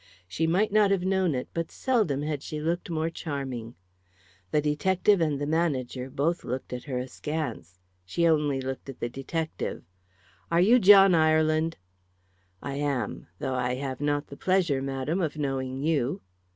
She might not have known it, but seldom had she looked more charming. The detective and the manager both looked at her askance. She only looked at the detective. "Are you John Ireland?" "I am. Though I have not the pleasure, madam, of knowing you."